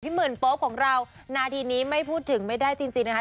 หมื่นโป๊ปของเรานาทีนี้ไม่พูดถึงไม่ได้จริงนะคะ